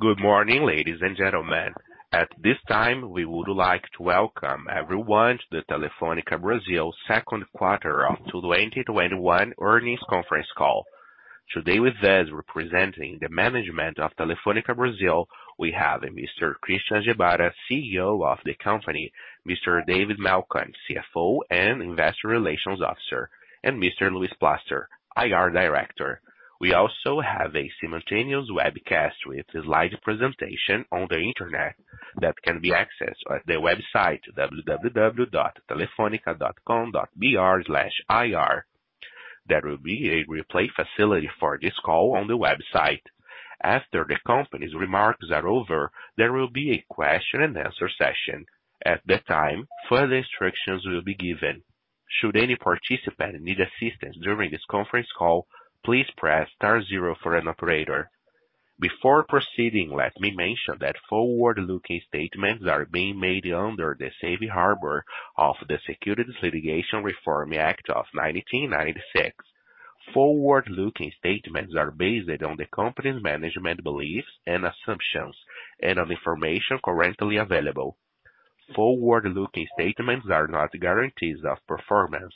Good morning, ladies and gentlemen. At this time, we would like to welcome everyone to the Telefônica Brasil second quarter of 2021 earnings conference call. Today with us representing the management of Telefônica Brasil, we have Mr. Christian Gebara, CEO of the company, Mr. David Melcon, CFO and Investor Relations Officer, and Mr. Luis Plaster, IR Director. We also have a simultaneous webcast with a slide presentation on the internet that can be accessed at the website www.telefonica.com.br/ir. There will be a replay facility for this call on the website. After the company's remarks are over, there will be a question and answer session. At the time, further instructions will be given. Should any participant need assistance during this conference call, please press star zero for an operator. Before proceeding, let me mention that forward-looking statements are being made under the safe harbor of the Securities Litigation Reform Act of 1996. Forward-looking statements are based on the company's management beliefs and assumptions and on information currently available. Forward-looking statements are not guarantees of performance.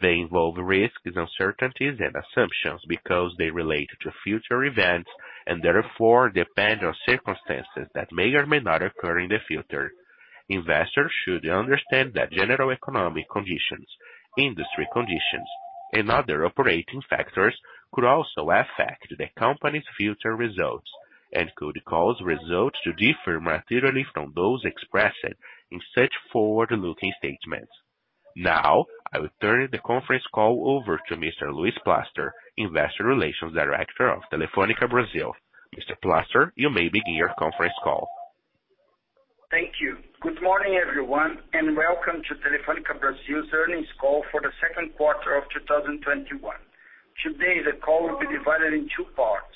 They involve risks, uncertainties, and assumptions because they relate to future events and therefore depend on circumstances that may or may not occur in the future. Investors should understand that general economic conditions, industry conditions, and other operating factors could also affect the company's future results and could cause results to differ materially from those expressed in such forward-looking statements. Now, I will turn the conference call over to Mr. Luis Plaster, Investor Relations Director of Telefônica Brasil. Mr. Plaster, you may begin your conference call. Thank you. Good morning, everyone, welcome to Telefônica Brasil's earnings call for the second quarter of 2021. Today, the call will be divided into two parts.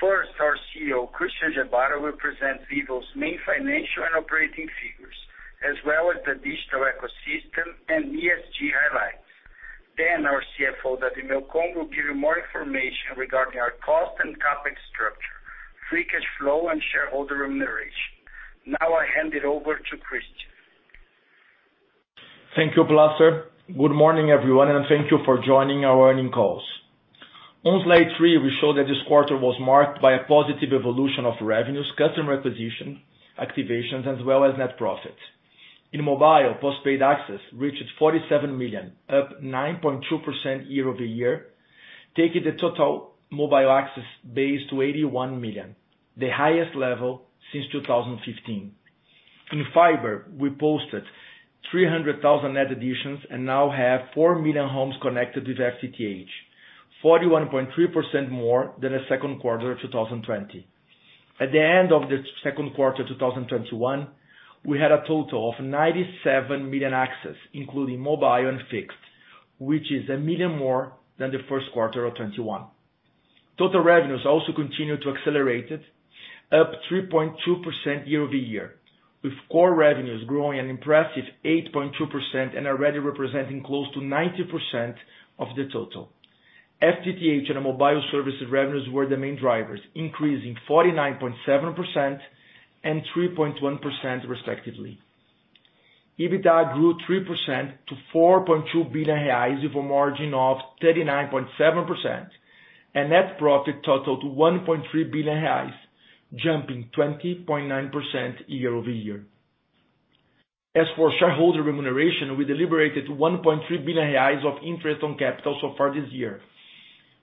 First, our CEO, Christian Gebara, will present Vivo's main financial and operating figures, as well as the digital ecosystem and ESG highlights. Our CFO, David Melcon, will give you more information regarding our cost and CapEx structure, free cash flow, and shareholder remuneration. I hand it over to Christian. Thank you, Plaster. Good morning, everyone, and thank you for joining our earnings call. On slide three, we show that this quarter was marked by a positive evolution of revenues, customer acquisition, activations, as well as net profits. In mobile, postpaid access reached 47 million, up 9.2% year-over-year, taking the total mobile access base to 81 million, the highest level since 2015. In fiber, we posted 300,000 net additions and now have 4 million homes connected with FTTH, 41.3% more than the second quarter of 2020. At the end of the second quarter 2021, we had a total of 97 million access, including mobile and fixed, which is 1 million more than the first quarter of 2021. Total revenues also continued to accelerate, up 3.2% year-over-year, with core revenues growing an impressive 8.2% and already representing close to 90% of the total. FTTH and mobile services revenues were the main drivers, increasing 49.7% and 3.1% respectively. EBITDA grew 3% to 4.2 billion reais, with a margin of 39.7%, and net profit totaled 1.3 billion reais, jumping 20.9% year-over-year. As for shareholder remuneration, we deliberated 1.3 billion reais of interest on capital so far this year,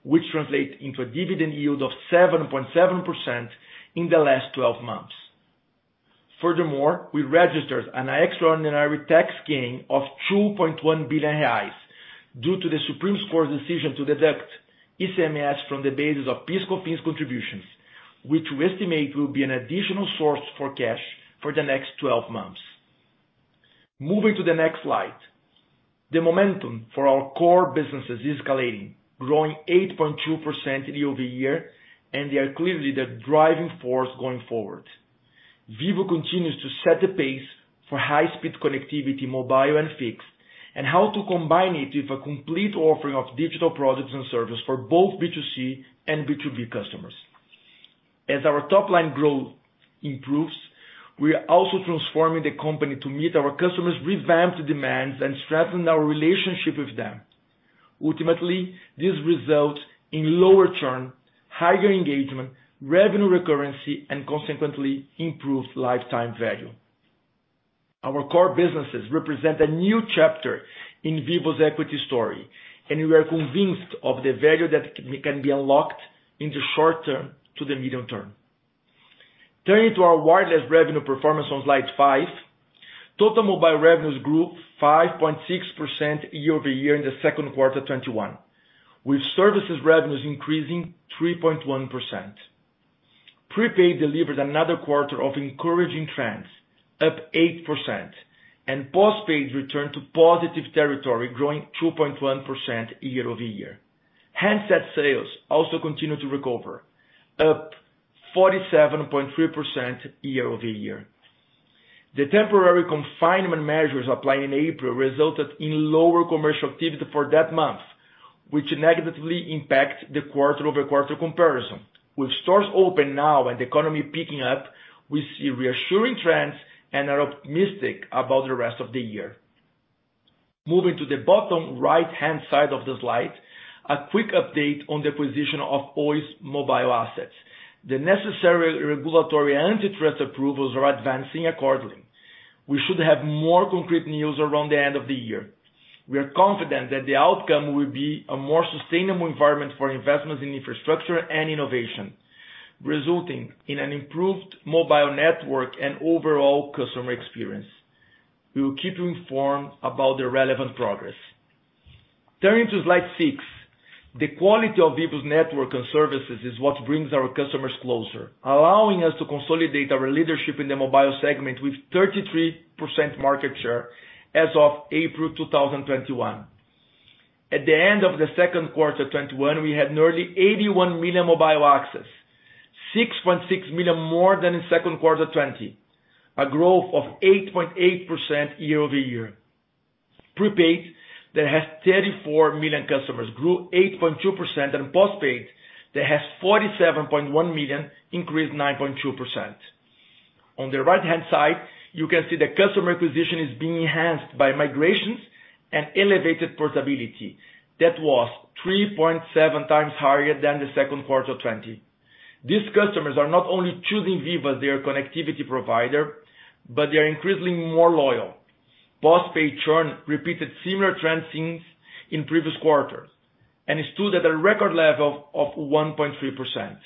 which translates into a dividend yield of 7.7% in the last 12 months. Furthermore, we registered an extraordinary tax gain of 2.1 billion reais due to the Supreme Federal Court's decision to deduct ICMS from the basis of PIS/COFINS contributions, which we estimate will be an additional source for cash for the next 12 months. Moving to the next slide. The momentum for our core businesses is escalating, growing 8.2% year-over-year, and they are clearly the driving force going forward. Vivo continues to set the pace for high-speed connectivity mobile and fixed, and how to combine it with a complete offering of digital products and services for both B2C and B2B customers. As our top-line growth improves, we are also transforming the company to meet our customers' revamped demands and strengthen our relationship with them. Ultimately, this results in lower churn, higher engagement, revenue recurrency, and consequently improved lifetime value. Our core businesses represent a new chapter in Vivo's equity story, and we are convinced of the value that can be unlocked in the short term to the medium term. Turning to our wireless revenue performance on slide five. Total mobile revenues grew 5.6% year-over-year in the second quarter 2021, with services revenues increasing 3.1%. Prepaid delivered another quarter of encouraging trends, up 8%, and postpaid returned to positive territory, growing 2.1% year-over-year. Handset sales also continued to recover, up 47.3% year-over-year. The temporary confinement measures applied in April resulted in lower commercial activity for that month, which negatively impacted the quarter-over-quarter comparison. With stores open now and the economy picking up, we see reassuring trends and are optimistic about the rest of the year. Moving to the bottom right-hand side of the slide, a quick update on the position of Oi's mobile assets. The necessary regulatory antitrust approvals are advancing accordingly. We should have more concrete news around the end of the year. We are confident that the outcome will be a more sustainable environment for investments in infrastructure and innovation, resulting in an improved mobile network and overall customer experience. We will keep you informed about the relevant progress. Turning to slide six. The quality of Vivo's network and services is what brings our customers closer, allowing us to consolidate our leadership in the mobile segment with 33% market share as of April 2021. At the end of the second quarter 2021, we had nearly 81 million mobile access, 6.6 million more than in second quarter 2020, a growth of 8.8% year-over-year. Prepaid that has 34 million customers grew 8.2%, and postpaid that has 47.1 million increased 9.2%. On the right-hand side, you can see the customer acquisition is being enhanced by migrations and elevated portability. That was 3.7 times higher than the second quarter 2020. These customers are not only choosing Vivo as their connectivity provider, but they are increasingly more loyal. Postpaid churn repeated similar trends seen in previous quarters and stood at a record level of 1.3%.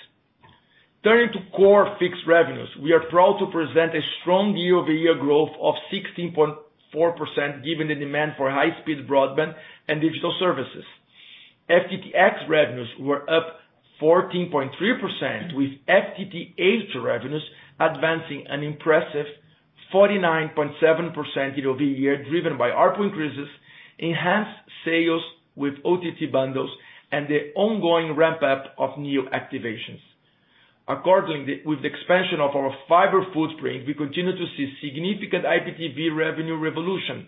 Turning to core fixed revenues. We are proud to present a strong year-over-year growth of 16.4% given the demand for high-speed broadband and digital services. FTTx revenues were up 14.3% with FTTH revenues advancing an impressive 49.7% year-over-year, driven by ARPU increases, enhanced sales with OTT bundles, and the ongoing ramp-up of new activations. Accordingly, with the expansion of our fiber footprint, we continue to see significant IPTV revenue revolution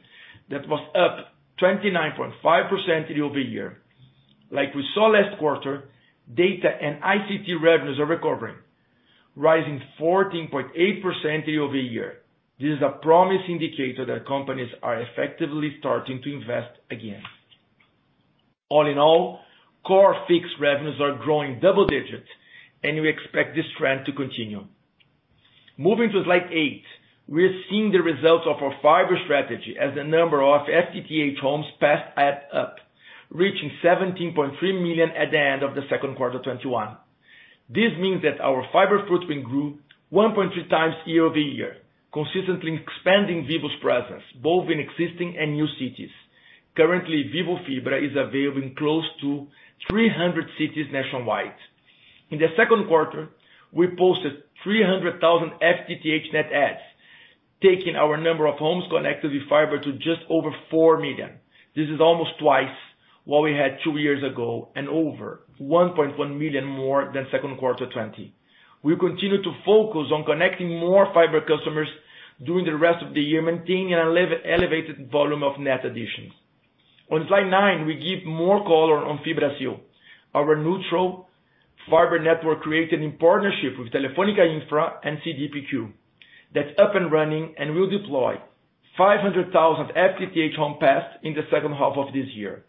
that was up 29.5% year-over-year. Like we saw last quarter, data and ICT revenues are recovering, rising 14.8% year-over-year. This is a promising indicator that companies are effectively starting to invest again. All in all, core fixed revenues are growing double digits, and we expect this trend to continue. Moving to slide eight. We're seeing the results of our fiber strategy as the number of FTTH homes passed add up, reaching 17.3 million at the end of Q2 2021. This means that our fiber footprint grew 1.3 times year-over-year, consistently expanding Vivo's presence both in existing and new cities. Currently, Vivo Fibra is available in close to 300 cities nationwide. In the second quarter, we posted 300,000 FTTH net adds, taking our number of homes connected with fiber to just over 4 million. This is almost twice what we had two years ago and over 1.1 million more than second quarter 2020. We'll continue to focus on connecting more fiber customers during the rest of the year, maintaining an elevated volume of net additions. On slide nine, we give more color on FiBrasil, our neutral fiber network created in partnership with Telefónica Infra and CDPQ that's up and running and will deploy 500,000 FTTH home passed in the second half of this year.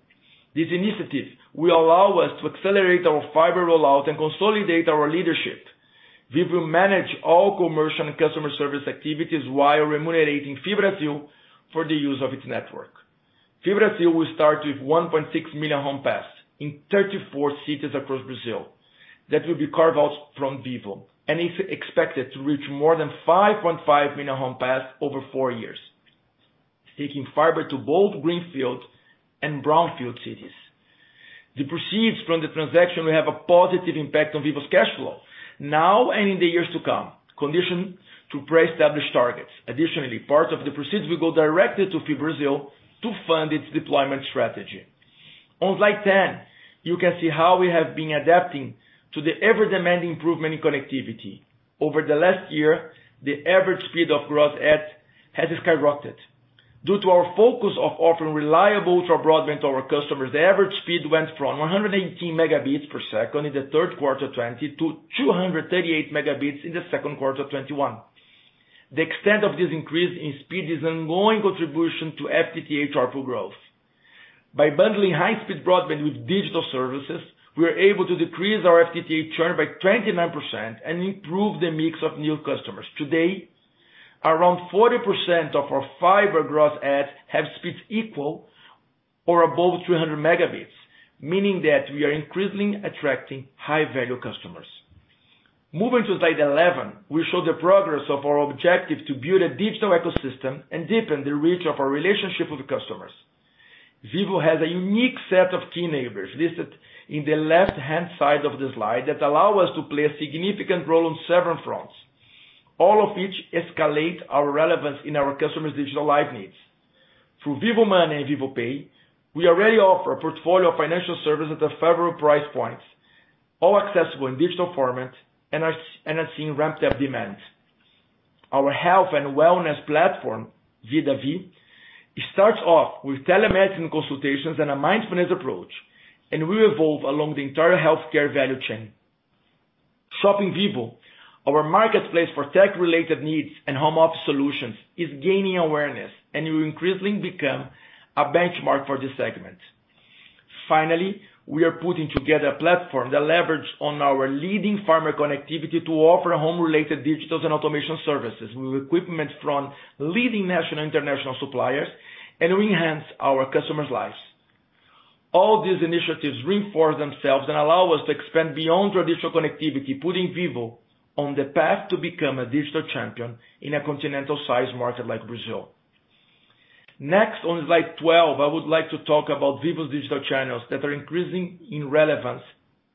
This initiative will allow us to accelerate our fiber rollout and consolidate our leadership. Vivo will manage all commercial and customer service activities while remunerating FiBrasil for the use of its network. FiBrasil will start with 1.6 million home passed in 34 cities across Brazil that will be carved out from Vivo and is expected to reach more than 5.5 million home passed over four years, taking fiber to both greenfield and brownfield cities. The proceeds from the transaction will have a positive impact on Vivo's cash flow now and in the years to come, conditioned to pre-established targets. Additionally, part of the proceeds will go directly to FiBrasil to fund its deployment strategy. On slide 10, you can see how we have been adapting to the ever-demanding improvement in connectivity. Over the last year, the average speed of gross adds has skyrocketed. Due to our focus of offering reliable ultrabroadband to our customers, the average speed went from 118 Mbps in the third quarter 2020 to 238 Mbps in the second quarter 2021. The extent of this increase in speed is an ongoing contribution to FTTH ARPU growth. By bundling high-speed broadband with digital services, we are able to decrease our FTTH churn by 29% and improve the mix of new customers. Today, around 40% of our fiber gross adds have speeds equal or above 300 Mbps, meaning that we are increasingly attracting high-value customers. Moving to slide 11, we show the progress of our objective to build a digital ecosystem and deepen the reach of our relationship with customers. Vivo has a unique set of key enablers listed in the left-hand side of the slide that allow us to play a significant role on several fronts, all of which escalate our relevance in our customers' digital life needs. Through Vivo Money and Vivo Pay, we already offer a portfolio of financial services at favorable price points, all accessible in digital format and are seeing ramped-up demand. Our health and wellness platform, Vida V, starts off with telemedicine consultations and a mindfulness approach, and will evolve along the entire healthcare value chain. Shopping Vivo, our marketplace for tech-related needs and home office solutions, is gaining awareness, and will increasingly become a benchmark for this segment. Finally, we are putting together a platform that leverages on our leading fiber connectivity to offer home-related digitals and automation services with equipment from leading national and international suppliers, and enhance our customers' lives. All these initiatives reinforce themselves and allow us to expand beyond traditional connectivity, putting Vivo on the path to become a digital champion in a continental-sized market like Brazil. Next, on slide 12, I would like to talk about Vivo's digital channels that are increasing in relevance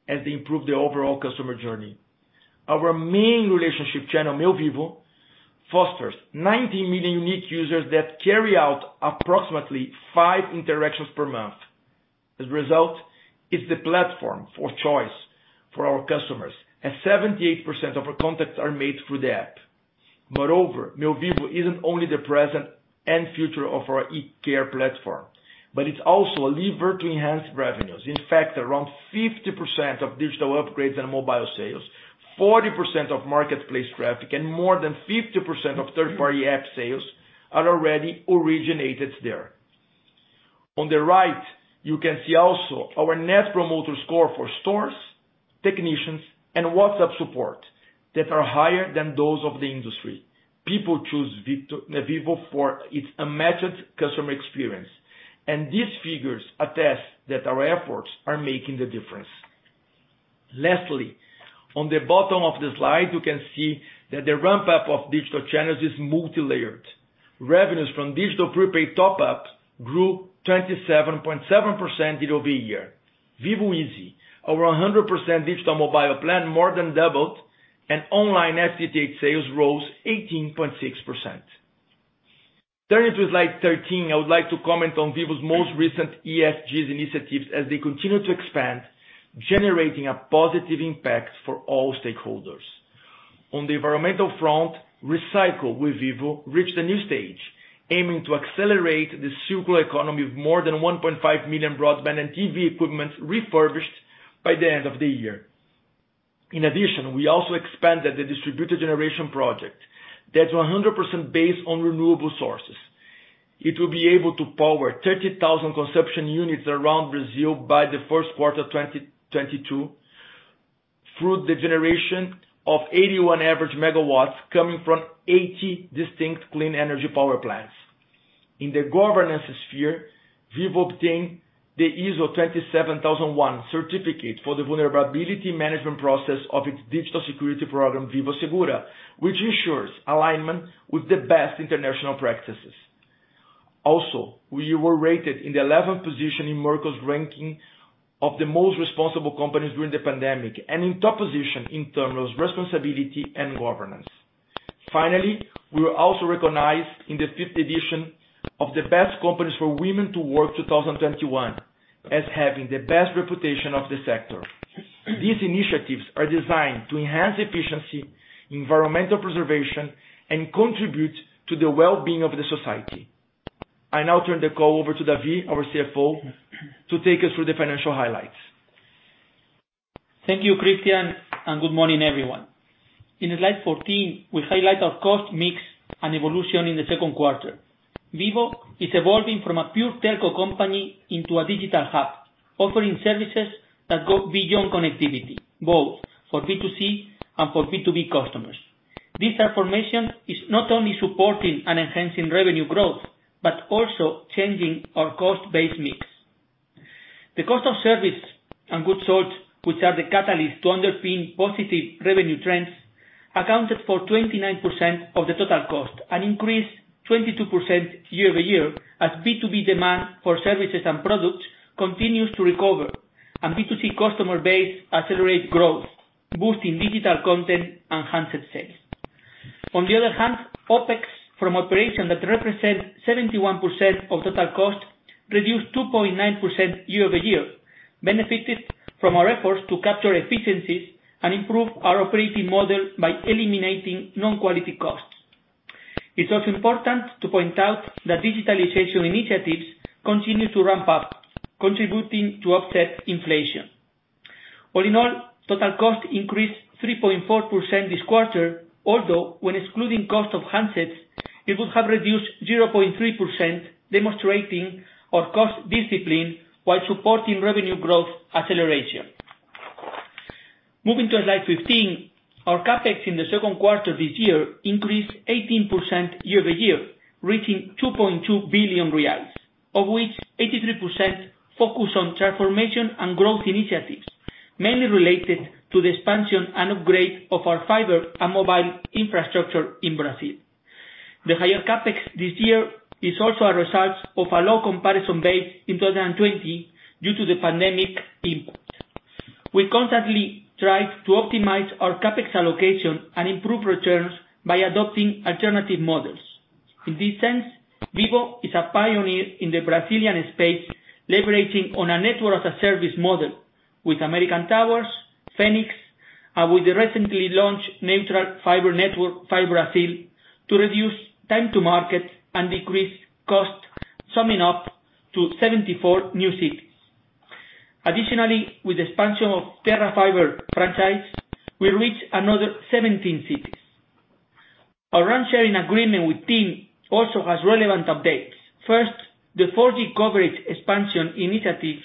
as they improve the overall customer journey. Our main relationship channel, Meu Vivo, fosters 90 million unique users that carry out approximately five interactions per month. As a result, it's the platform of choice for our customers, as 78% of our contacts are made through the app. Moreover, Meu Vivo isn't only the present and future of our e-care platform, but it's also a lever to enhance revenues. In fact, around 50% of digital upgrades and mobile sales, 40% of marketplace traffic, and more than 50% of third-party app sales are already originated there. On the right, you can see also our Net Promoter Score for stores, technicians, and WhatsApp support that are higher than those of the industry. People choose Vivo for its unmatched customer experience. These figures attest that our efforts are making the difference. Lastly, on the bottom of the slide, you can see that the ramp-up of digital channels is multilayered. Revenues from digital prepaid top-ups grew 27.7% year-over-year. Vivo Easy, our 100% digital mobile plan, more than doubled, and online FTTH sales rose 18.6%. Turning to slide 13, I would like to comment on Vivo's most recent ESG initiatives as they continue to expand, generating a positive impact for all stakeholders. On the environmental front, Recycle with Vivo reached a new stage, aiming to accelerate the circular economy of more than 1.5 million broadband and TV equipment refurbished by the end of the year. In addition, we also expanded the distributed generation project that's 100% based on renewable sources. It will be able to power 30,000 consumption units around Brazil by the first quarter of 2022, through the generation of 81 average MW coming from 80 distinct clean energy power plants. In the governance sphere, Vivo obtained the ISO 27001 certificate for the vulnerability management process of its digital security program, Vivo Segura, which ensures alignment with the best international practices. We were rated in the 11th position in Merco's ranking of the most responsible companies during the pandemic, and in top position in terms of responsibility and governance. We were also recognized in the fifth edition of the Best Companies for Women to Work 2021 as having the best reputation of the sector. These initiatives are designed to enhance efficiency, environmental preservation, and contribute to the well-being of the society. I now turn the call over to David, our CFO, to take us through the financial highlights. Thank you, Christian, and good morning, everyone. In slide 14, we highlight our cost mix and evolution in the second quarter. Vivo is evolving from a pure telco company into a digital hub, offering services that go beyond connectivity, both for B2C and for B2B customers. This transformation is not only supporting and enhancing revenue growth, but also changing our cost base mix. The cost of service and goods sold, which are the catalyst to underpin positive revenue trends, accounted for 29% of the total cost, an increase 22% year-over-year as B2B demand for services and products continues to recover, and B2C customer base accelerates growth, boosting digital content and handset sales. On the other hand, OPEX from operations that represent 71% of total cost reduced 2.9% year-over-year, benefited from our efforts to capture efficiencies and improve our operating model by eliminating non-quality costs. It's also important to point out that digitalization initiatives continue to ramp up, contributing to offset inflation. All in all, total cost increased 3.4% this quarter, although when excluding cost of handsets, it would have reduced 0.3%, demonstrating our cost discipline while supporting revenue growth acceleration. Moving to slide 15. Our CapEx in the second quarter this year increased 18% year-over-year, reaching 2.2 billion reais. Of which, 83% focus on transformation and growth initiatives, mainly related to the expansion and upgrade of our fiber and mobile infrastructure in Brazil. The higher CapEx this year is also a result of a low comparison base in 2020 due to the pandemic impact. We constantly strive to optimize our CapEx allocation and improve returns by adopting alternative models. In this sense, Vivo is a pioneer in the Brazilian space, leveraging on a Network-as-a-Service model with American Tower, Phoenix, and with the recently launched neutral fiber network, FiBrasil, to reduce time to market and decrease costs summing up to 74 new cities. Additionally, with the expansion of Terra Fibra franchise, we reached another 17 cities. Our revenue sharing agreement with TIM also has relevant updates. First, the 4G coverage expansion initiative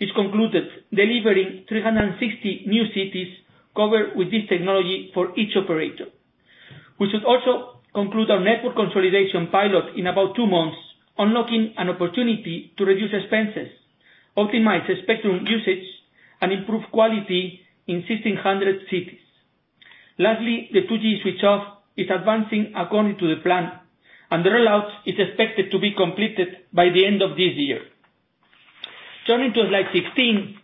is concluded, delivering 360 new cities covered with this technology for each operator. We should also conclude our network consolidation pilot in about two months, unlocking an opportunity to reduce expenses, optimize the spectrum usage, and improve quality in 1,600 cities. The 2G switch-off is advancing according to the plan, and the rollout is expected to be completed by the end of this year. Turning to slide 16,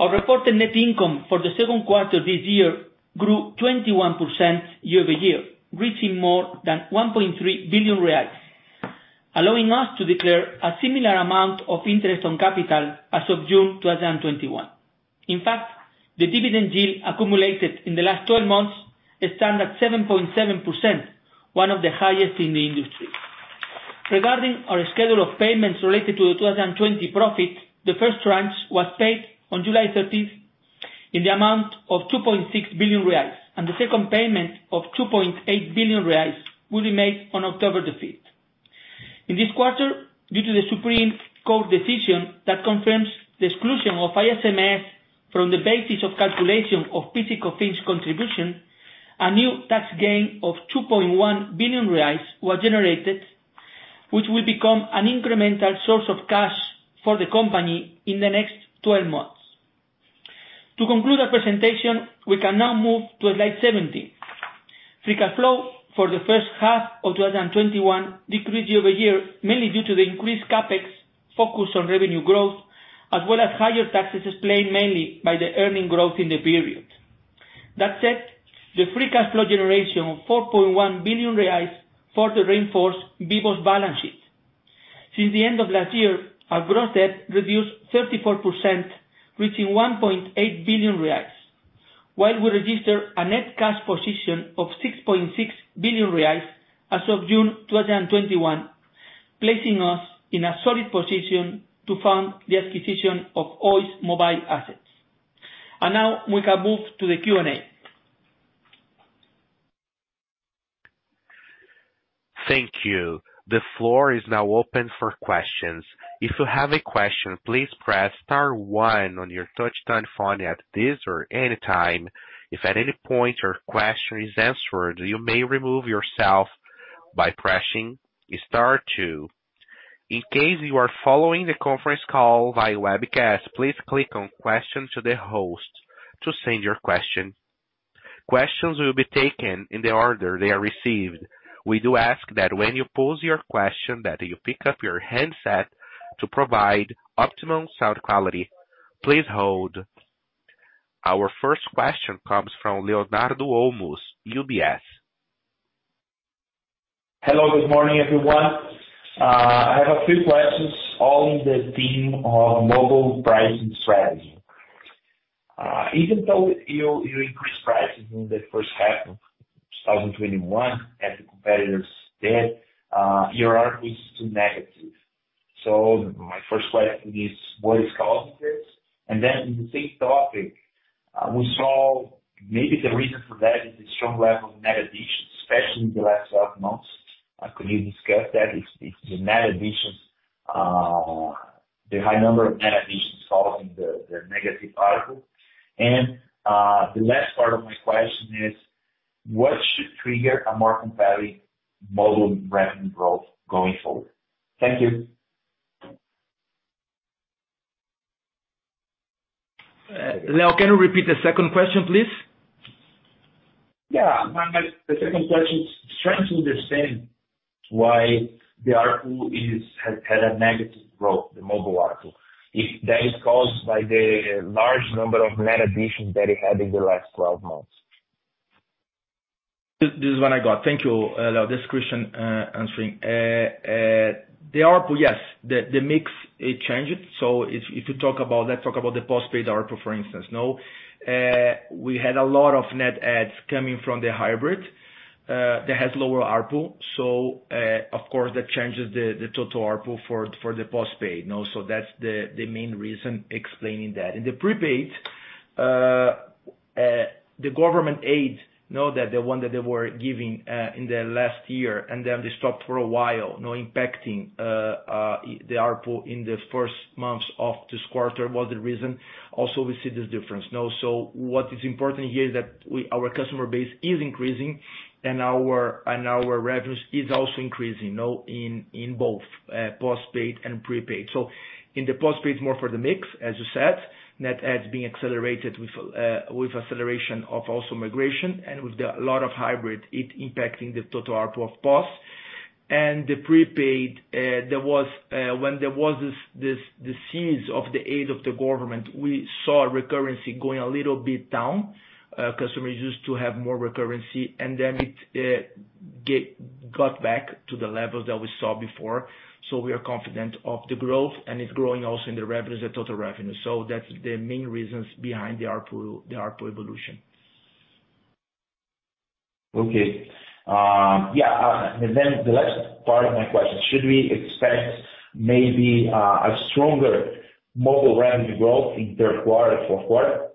our reported net income for the second quarter this year grew 21% year-over-year, reaching more than 1.3 billion reais, allowing us to declare a similar amount of interest on capital as of June 2021. In fact, the dividend yield accumulated in the last 12 months stands at 7.7%, one of the highest in the industry. Regarding our schedule of payments related to the 2020 profit, the first tranche was paid on July 30th in the amount of 2.6 billion reais, and the second payment of 2.8 billion reais will be made on October 5th. In this quarter, due to the Supreme Court decision that confirms the exclusion of ICMS from the basis of calculation of PIS/COFINS contribution, a new tax gain of 2.1 billion reais was generated, which will become an incremental source of cash for the company in the next 12 months. To conclude our presentation, we can now move to slide 17. Free cash flow for the first half of 2021 decreased year-over-year, mainly due to the increased CapEx focused on revenue growth, as well as higher taxes paid mainly by the earnings growth in the period. The free cash flow generation of 4.1 billion reais further reinforced Vivo's balance sheet. Since the end of last year, our gross debt reduced 34%, reaching 1.8 billion reais. We register a net cash position of 6.6 billion reais as of June 2021, placing us in a solid position to fund the acquisition of Oi's mobile assets. Now we can move to the Q&A. Thank you. The floor is now open for questions. If you have a question, please press star one on your touch-tone phone at this or any time. If at any point your question is answered, you may remove yourself by pressing star two. In case you are following the conference call via webcast, please click on question to the host to send your question. Questions will be taken in the order they are received. We do ask that when you pose your question that you pick up your handset to provide optimum sound quality. Please hold. Our first question comes from Leonardo Olmos, UBS. Hello, good morning, everyone. I have a few questions, all in the theme of mobile pricing strategy. Even though you increased prices in the first half of 2021 as the competitors did, your ARPU is still negative. My first question is, what is causing this? In the same topic, we saw maybe the reason for that is the strong level of net addition, especially in the last 12 months. Could you discuss that if the net additions, the high number of net additions causing the negative ARPU? The last part of my question is, what should trigger a more compelling mobile revenue growth going forward? Thank you. Leo, can you repeat the second question, please? Yeah. The second question is, trying to understand why the ARPU has had a negative growth, the mobile ARPU, if that is caused by the large number of net additions that you had in the last 12 months? This is what I got. Thank you, Leo. This is Christian answering. The ARPU, yes. The mix, it changed. Let's talk about the postpaid ARPU, for instance. We had a lot of net adds coming from the hybrid, that has lower ARPU. Of course, that changes the total ARPU for the postpaid. That's the main reason explaining that. In the prepaid, the government aid, the one that they were giving in the last year, and then they stopped for a while, impacting the ARPU in the first months of this quarter was the reason. Also, we see this difference. What is important here is that our customer base is increasing, and our revenues is also increasing in both postpaid and prepaid. In the postpaid, more for the mix, as you said, net adds being accelerated with acceleration of also migration and with the lot of hybrid, it impacting the total ARPU of post. The prepaid, when there was the cease of the aid of the government, we saw recurrence going a little bit down. Customers used to have more recurrence, and then it got back to the levels that we saw before. We are confident of the growth, and it's growing also in the revenues and total revenue. That's the main reasons behind the ARPU evolution. Okay. Yeah. Then the last part of my question, should we expect maybe a stronger mobile revenue growth in third quarter, fourth quarter?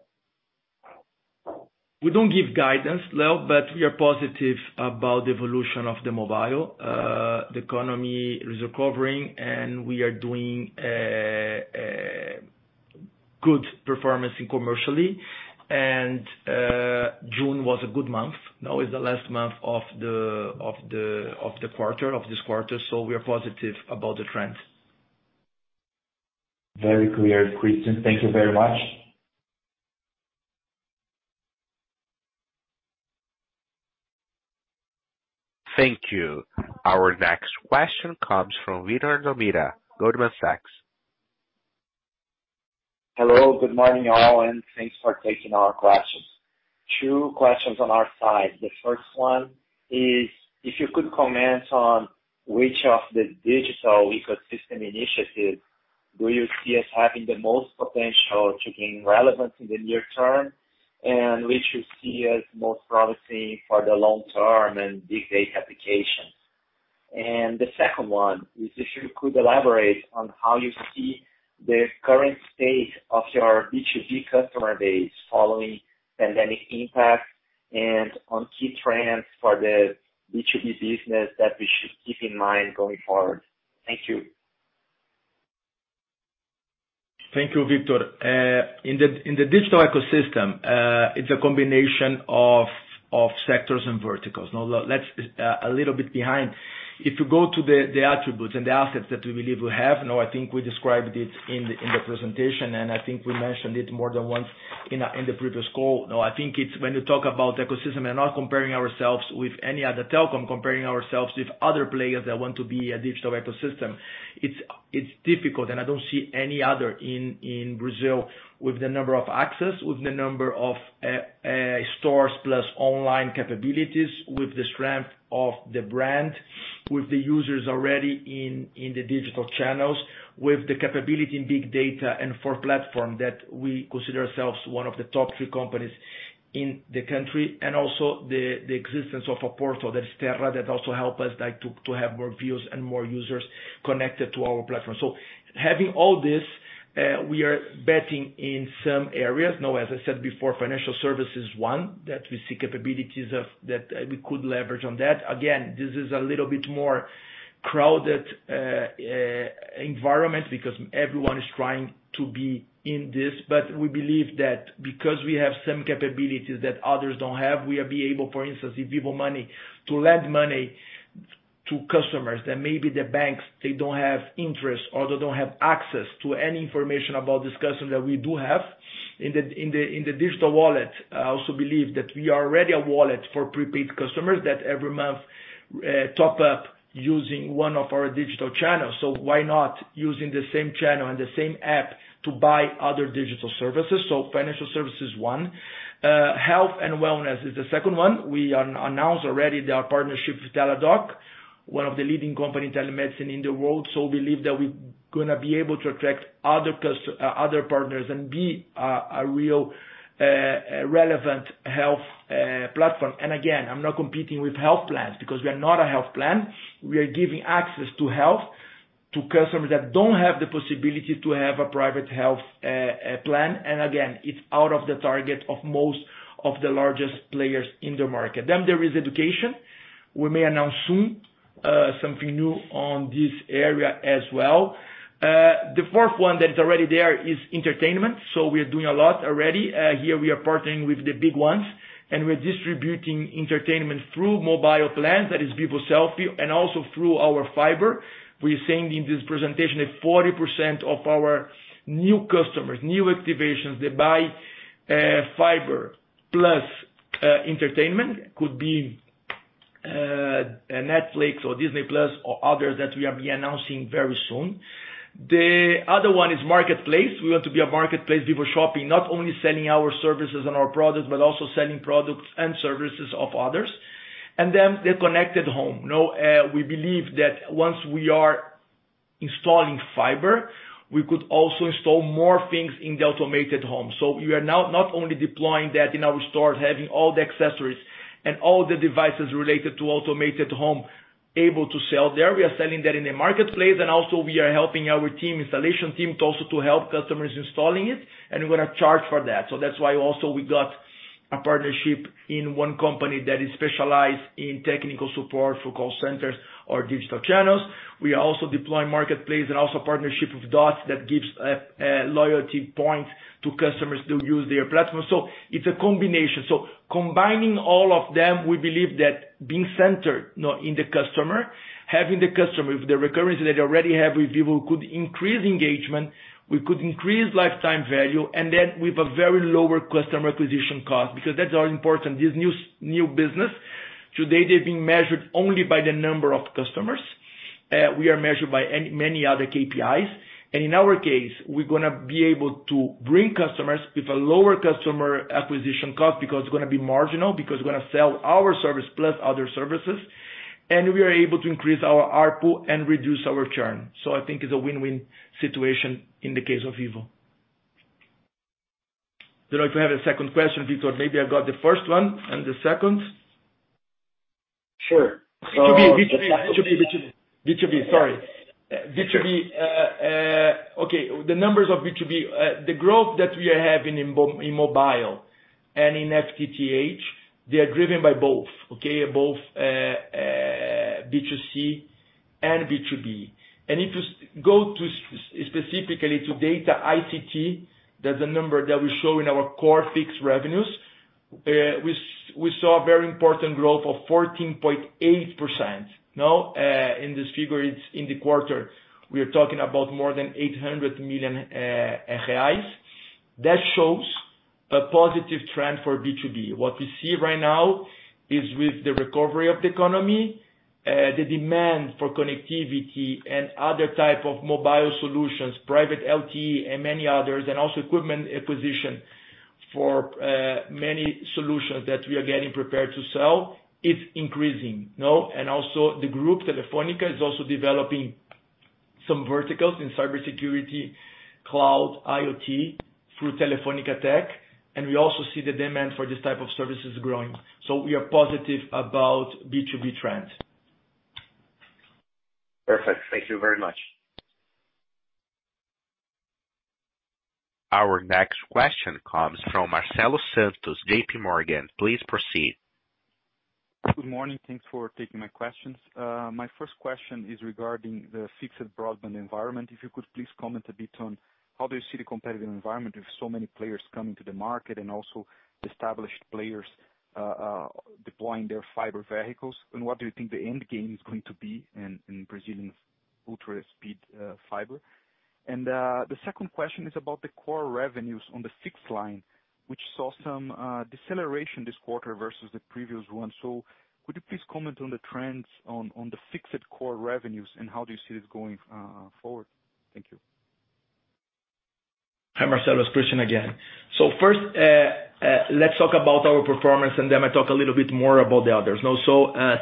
We don't give guidance, Leo. We are positive about the evolution of the mobile. The economy is recovering. We are doing good performance commercially. June was a good month. Now is the last month of this quarter. We are positive about the trend. Very clear, Christian. Thank you very much. Thank you. Our next question comes from Vitor Tomita, Goldman Sachs. Hello. Good morning, all, and thanks for taking our questions. Two questions on our side. The first one is if you could comment on which of the digital ecosystem initiatives do you see as having the most potential to gain relevance in the near term, and which you see as most promising for the long term and big data application. The second one is if you could elaborate on how you see the current state of your B2B customer base following pandemic impact and on key trends for the B2B business that we should keep in mind going forward. Thank you. Thank you, Vitor. In the digital ecosystem, it's a combination of sectors and verticals. Now, a little bit behind. If you go to the attributes and the assets that we believe we have, now, I think we described it in the presentation, and I think we mentioned it more than once in the previous call. I think it's when you talk about ecosystem and not comparing ourselves with any other telecom, comparing ourselves with other players that want to be a digital ecosystem, it's difficult. I don't see any other in Brazil with the number of access, with the number of stores plus online capabilities, with the strength of the brand, with the users already in the digital channels, with the capability in big data and four platform that we consider ourselves one of the top three companies in the country. Also, the existence of a portal that is Terra that also help us to have more views and more users connected to our platform. Having all this, we are betting in some areas. As I said before, financial service is one that we see capabilities of that we could leverage on that. This is a little bit more crowded environment because everyone is trying to be in this. We believe that because we have some capabilities that others don't have, we will be able, for instance, in Vivo Money, to lend money to customers that maybe the banks, they don't have interest or they don't have access to any information about this customer that we do have. In the digital wallet, I also believe that we are already a wallet for prepaid customers that every month top up using one of our digital channels. Why not using the same channel and the same app to buy other digital services? Financial service is one. Health and wellness is the second one. We announced already our partnership with Teladoc, one of the leading company in telemedicine in the world. Believe that we're going to be able to attract other partners and be a real relevant health platform. Again, I'm not competing with health plans because we are not a health plan. We are giving access to health to customers that don't have the possibility to have a private health plan. Again, it's out of the target of most of the largest players in the market. There is education. We may announce soon something new on this area as well. The fourth one that is already there is entertainment, so we are doing a lot already. Here, we are partnering with the big ones, and we're distributing entertainment through mobile plans, that is Vivo Selfie, and also through our fiber. We are saying in this presentation that 40% of our new customers, new activations, they buy fiber plus entertainment. Could be Netflix or Disney+ or others that we will be announcing very soon. The other one is marketplace. We want to be a marketplace, Vivo Shopping, not only selling our services and our products, but also selling products and services of others. The connected home. Now, we believe that once we are installing fiber, we could also install more things in the automated home. We are now not only deploying that in our stores, having all the accessories and all the devices related to automated home able to sell there. We are selling that in the marketplace, and also we are helping our team, installation team, also to help customers installing it, and we're going to charge for that. That's why also we got a partnership in one company that is specialized in technical support for call centers or digital channels. We are also deploying marketplace and also partnership with Dotz that gives loyalty points to customers to use their platform. It's a combination. Combining all of them, we believe that being centered in the customer, having the customer, with the recurrency that they already have with Vivo, could increase engagement, we could increase lifetime value, and then with a very lower customer acquisition cost, because that's all important. This new business, today, they're being measured only by the number of customers. We are measured by many other KPIs. In our case, we're going to be able to bring customers with a lower customer acquisition cost, because it's going to be marginal, because we're going to sell our service plus other services, and we are able to increase our ARPU and reduce our churn. I think it's a win-win situation in the case of Vivo. I don't know if you have a second question, Vitor. Maybe I got the first one, the second? Sure. B2B. Sorry. Okay, the numbers of B2B, the growth that we are having in mobile and in FTTH, they are driven by both, okay? Both B2C and B2B. If you go specifically to data ICT, that's the number that we show in our core fixed revenues, we saw a very important growth of 14.8%, no? In this figure, it's in the quarter, we are talking about more than 800 million reais. That shows a positive trend for B2B. What we see right now is with the recovery of the economy, the demand for connectivity and other type of mobile solutions, private LTE and many others, and also equipment acquisition for many solutions that we are getting prepared to sell, it's increasing, no? The group, Telefónica, is also developing some verticals in cybersecurity, cloud, IoT, through Telefónica Tech, and we also see the demand for these type of services growing. We are positive about B2B trend. Perfect. Thank you very much. Our next question comes from Marcelo Santos, JP Morgan. Please proceed. Good morning. Thanks for taking my questions. My first question is regarding the fixed broadband environment. If you could please comment a bit on how do you see the competitive environment with so many players coming to the market, and also established players deploying their fiber vehicles. What do you think the end game is going to be in Brazilian ultra-speed fiber? The second question is about the core revenues on the fixed line, which saw some deceleration this quarter versus the previous one. Could you please comment on the trends on the fixed core revenues, and how do you see this going forward? Thank you. Hi, Marcelo. It's Christian again. First, let's talk about our performance, and then I talk a little bit more about the others.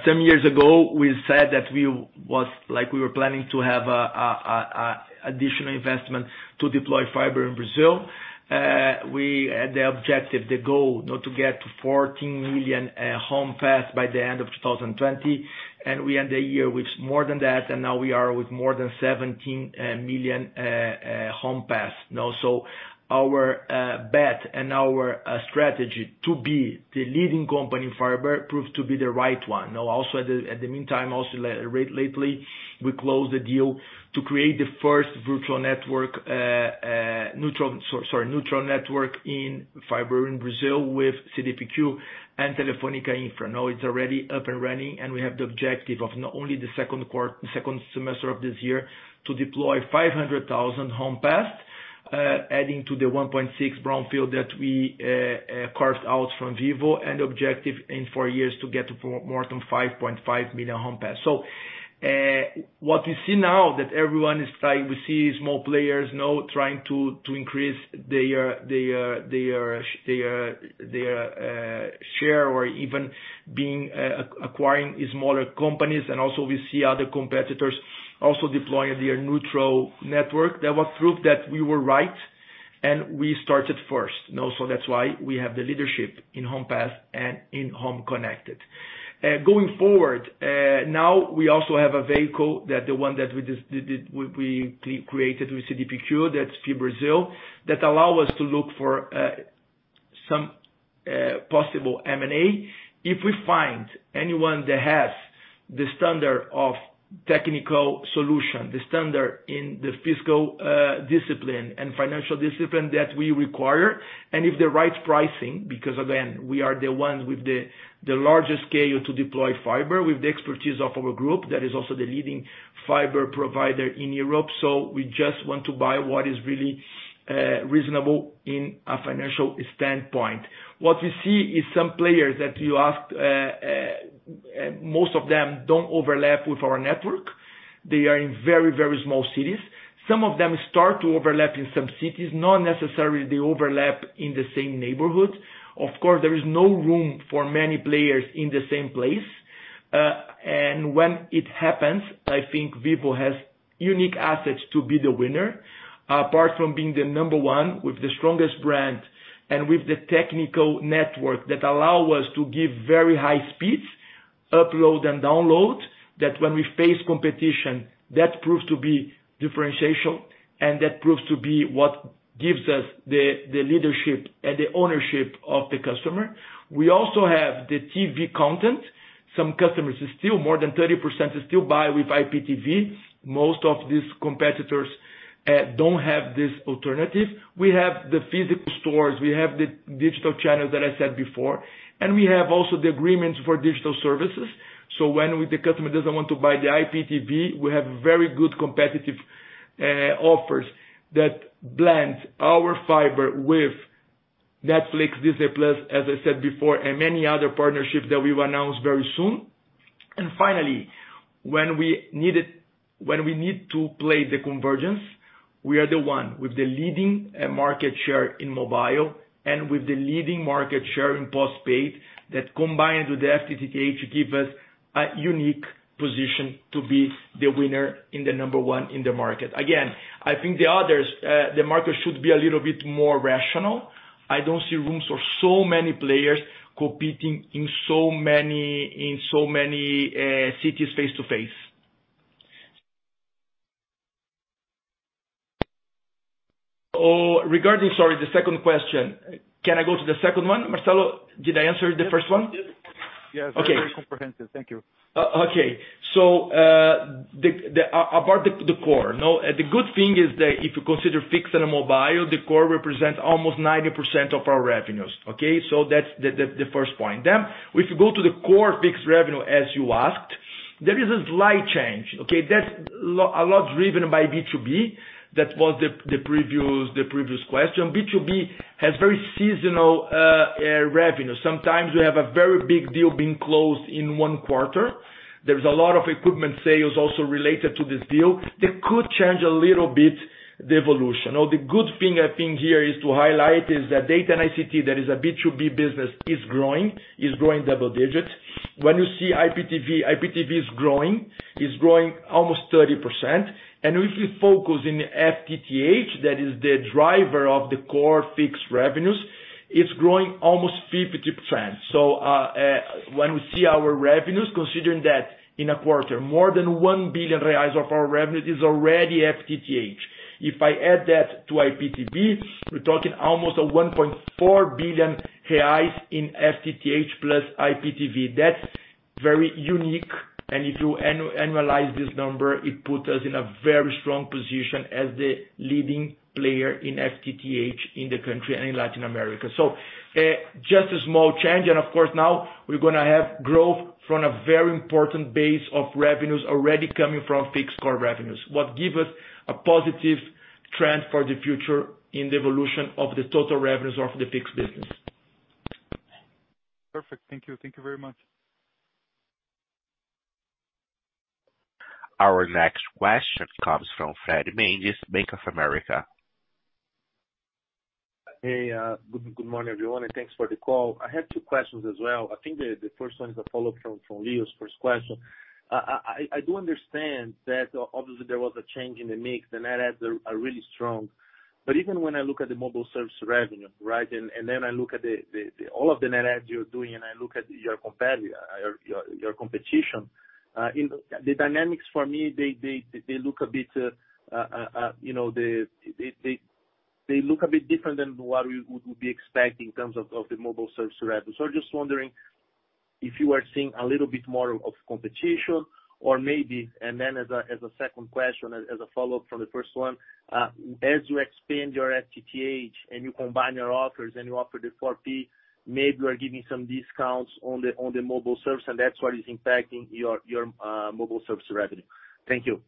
Some years ago, we said that we were planning to have additional investment to deploy fiber in Brazil. We had the objective, the goal, to get to 14 million home passed by the end of 2020. We end the year with more than that. Now we are with more than 17 million home passed. Our bet and our strategy to be the leading company in fiber proved to be the right one. Also at the meantime, also lately, we closed the deal to create the first virtual network, sorry, neutral network in fiber in Brazil with CDPQ and Telefónica Infra. Now it's already up and running, and we have the objective of not only the second semester of this year to deploy 500,000 home passed, adding to the 1.6 brownfield that we carved out from Vivo, and objective in four years to get to more than 5.5 million home passed. What we see now, that everyone is trying, we see small players now trying to increase their share or even acquiring smaller companies. Also we see other competitors also deploying their neutral network. That was proof that we were right, and we started first. That's why we have the leadership in home passed and in home connected. Going forward, now we also have a vehicle, the one that we created with CDPQ, that's FiBrasil, that allow us to look for some possible M&A. If we find anyone that has the standard of technical solution, the standard in the fiscal discipline and financial discipline that we require. If the right pricing, because, again, we are the ones with the largest scale to deploy fiber with the expertise of our group, that is also the leading fiber provider in Europe. We just want to buy what is really reasonable in a financial standpoint. What we see is some players that you asked, most of them don't overlap with our network. They are in very, very small cities. Some of them start to overlap in some cities, not necessarily they overlap in the same neighborhood. Of course, there is no room for many players in the same place. When it happens, I think Vivo has unique assets to be the winner. Apart from being the number one with the strongest brand and with the technical network that allow us to give very high speeds, upload and download, that when we face competition, that proves to be differentiation, and that proves to be what gives us the leadership and the ownership of the customer. We also have the TV content. Some customers, more than 30%, still buy with IPTV. Most of these competitors don't have this alternative. We have the physical stores, we have the digital channels that I said before, and we have also the agreements for digital services. When the customer doesn't want to buy the IPTV, we have very good competitive offers that blend our fiber with Netflix, Disney+, as I said before, and many other partnerships that we will announce very soon. Finally, when we need to play the convergence, we are the one with the leading market share in mobile and with the leading market share in postpaid that combined with the FTTH give us a unique position to be the winner in the number one in the market. Again, I think the others, the market should be a little bit more rational. I don't see rooms for so many players competing in so many cities face-to-face. Regarding, sorry, the second question. Can I go to the second one, Marcelo? Did I answer the first one? Yes. Very comprehensive. Thank you. Okay. About the core. The good thing is that if you consider fixed and mobile, the core represents almost 90% of our revenues. That's the first point. If you go to the core fixed revenue, as you asked, there is a slight change. That's a lot driven by B2B. That was the previous question. B2B has very seasonal revenue. Sometimes we have a very big deal being closed in one quarter. There's a lot of equipment sales also related to this deal that could change a little bit the evolution. The good thing, I think, here is to highlight is that data and ICT, that is a B2B business, is growing double digits. When you see IPTV is growing. It's growing almost 30%. If you focus in the FTTH, that is the driver of the core fixed revenues, it's growing almost 50%. When we see our revenues, considering that in a quarter, more than 1 billion reais of our revenue is already FTTH. If I add that to IPTV, we're talking almost 1.4 billion reais in FTTH plus IPTV. That's very unique. If you annualize this number, it puts us in a very strong position as the leading player in FTTH in the country and in Latin America. Just a small change. Of course, now we're going to have growth from a very important base of revenues already coming from fixed core revenues. What gives us a positive trend for the future in the evolution of the total revenues of the fixed business. Perfect. Thank you. Thank you very much. Our next question comes from Fred Mendes, Bank of America. Hey, good morning, everyone, and thanks for the call. I have two questions as well. I think the first one is a follow-up from Leo's first question. I do understand that obviously there was a change in the mix. The net adds are really strong. Even when I look at the mobile service revenue, and then I look at all of the net adds you're doing, and I look at your competition, the dynamics for me, they look a bit different than what we would be expecting in terms of the mobile service revenue. Just wondering if you are seeing a little bit more of competition or maybe? As a second question, as a follow-up from the first one, as you expand your FTTH and you combine your offers and you offer the 4P, maybe you are giving some discounts on the mobile service, and that's what is impacting your mobile service revenue? Thank you.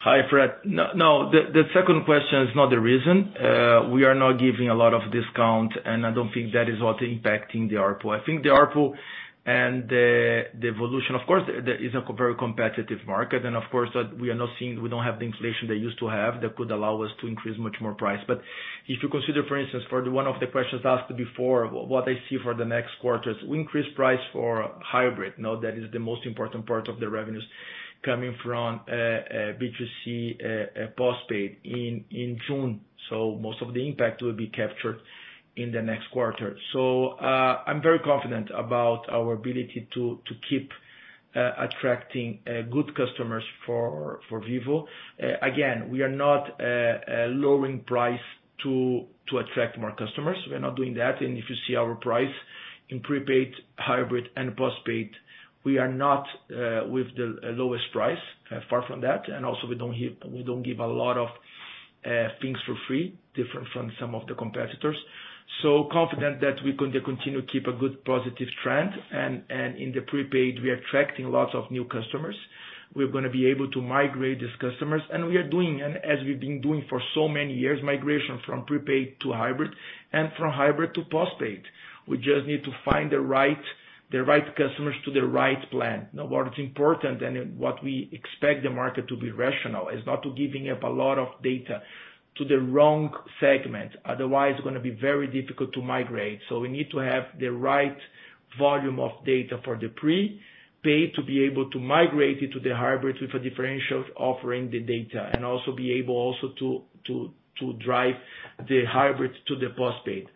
Hi, Fred. No, the second question is not the reason. We are not giving a lot of discount. I don't think that is what impacting the ARPU. I think the ARPU and the evolution, of course, there is a very competitive market. Of course, we don't have the inflation they used to have that could allow us to increase much more price. If you consider, for instance, for one of the questions asked before, what I see for the next quarters, we increase price for hybrid. Now, that is the most important part of the revenues coming from B2C postpaid in June. Most of the impact will be captured in the next quarter. I'm very confident about our ability to keep attracting good customers for Vivo. Again, we are not lowering price to attract more customers. We are not doing that. If you see our price in prepaid, hybrid, and postpaid, we are not with the lowest price, far from that. We don't give a lot of things for free, different from some of the competitors. Confident that we're going to continue to keep a good positive trend. In the prepaid, we are attracting lots of new customers. We're going to be able to migrate these customers, and we are doing, and as we've been doing for so many years, migration from prepaid to hybrid and from hybrid to postpaid. We just need to find the right customers to the right plan. What is important and what we expect the market to be rational is not to giving up a lot of data to the wrong segment. Otherwise, it's going to be very difficult to migrate. We need to have the right volume of data for the prepaid to be able to migrate it to the hybrid with a differential offering the data, and also be able also to drive the hybrid to the postpaid.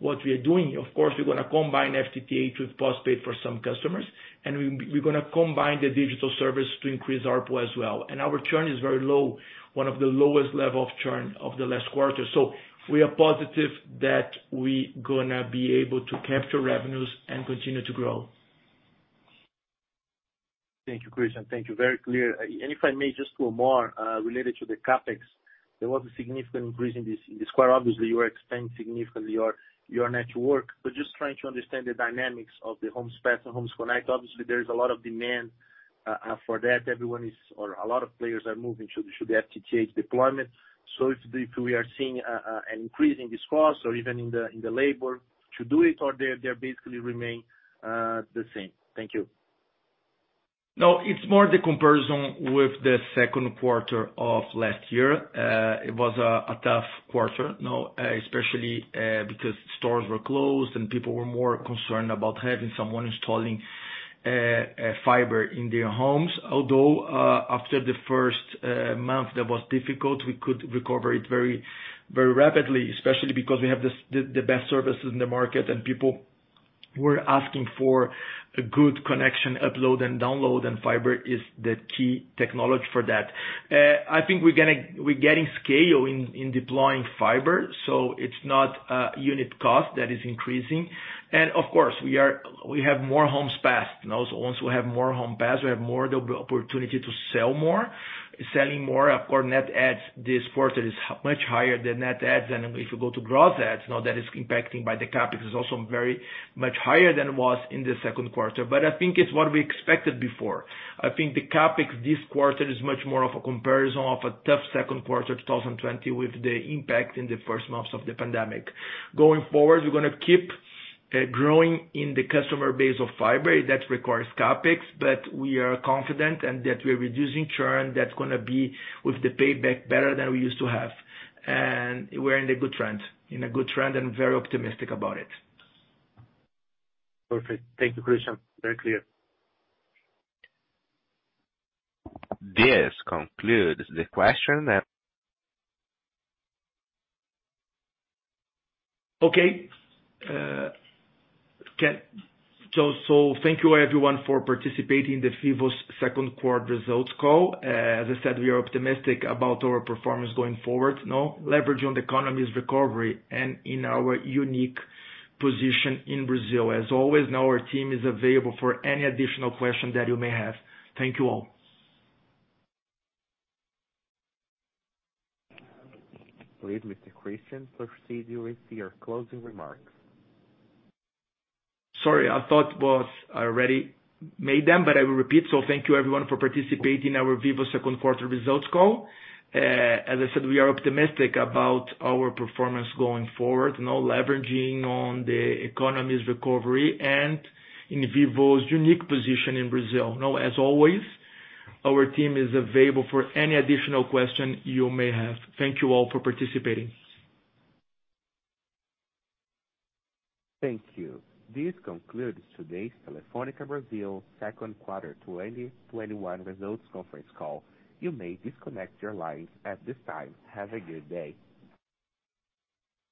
What we are doing, of course, we're going to combine FTTH with postpaid for some customers, and we're going to combine the digital service to increase ARPU as well. Our churn is very low, one of the lowest level of churn of the last quarter. We are positive that we're going to be able to capture revenues and continue to grow. Thank you, Christian. Thank you. Very clear. If I may just go more, related to the CapEx, there was a significant increase in this quarter. Obviously, you are expanding significantly your network. Just trying to understand the dynamics of the homes passed and homes connect. Obviously, there is a lot of demand for that, everyone is, or a lot of players are moving to the FTTH deployment. If we are seeing an increase in this cost or even in the labor to do it, or they basically remain the same? Thank you. No, it's more the comparison with the second quarter of last year. It was a tough quarter, especially because stores were closed, and people were more concerned about having someone installing fiber in their homes. Although, after the first month, that was difficult, we could recover it very rapidly, especially because we have the best services in the market, and people were asking for a good connection, upload and download, and fiber is the key technology for that. I think we're getting scale in deploying fiber, so it's not unit cost that is increasing. Of course, we have more homes passed. Once we have more homes passed, we have more the opportunity to sell more. Selling more, of course, net adds this quarter is much higher than net adds. If you go to gross adds, now that is impacted by the CapEx, is also very much higher than it was in the second quarter. I think it's what we expected before. I think the CapEx this quarter is much more of a comparison of a tough second quarter 2020 with the impact in the first months of the pandemic. Going forward, we're going to keep growing in the customer base of fiber. That requires CapEx, but we are confident, and that we're reducing churn that's going to be with the payback better than we used to have. We're in a good trend, and very optimistic about it. Perfect. Thank you, Christian. Very clear. This concludes the question and. Okay. Thank you everyone for participating in the Vivo's second quarter results call. As I said, we are optimistic about our performance going forward. Now, leveraging on the economy's recovery and in our unique position in Brazil. As always, now our team is available for any additional question that you may have. Thank you all. Please, Mr. Christian, proceed with your closing remarks. Sorry, I thought I already made them, but I will repeat. Thank you everyone for participating in our Vivo second quarter results call. As I said, we are optimistic about our performance going forward. Leveraging on the economy's recovery and in Vivo's unique position in Brazil. As always, our team is available for any additional question you may have. Thank you all for participating. Thank you. This concludes today's Telefônica Brasil second quarter 2021 results conference call. You may disconnect your lines at this time. Have a good day.